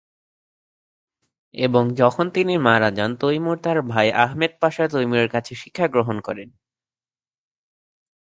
এবং যখন তিনি মারা যান তৈমুর তার ভাই আহমেদ পাশা তৈমুরের কাছে শিক্ষা গ্রহণ করেন।